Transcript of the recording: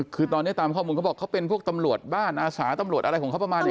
คือตอนนี้ตามข้อมูลเขาบอกเขาเป็นพวกตำรวจบ้านอาสาตำรวจอะไรของเขาประมาณนี้